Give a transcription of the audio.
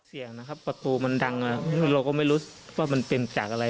เสียงนะครับประตูมันดังเราก็ไม่รู้ว่ามันเป็นจากอะไร